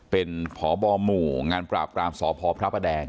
เป็นพบหมู่งานปราบกรามสพพระประแดง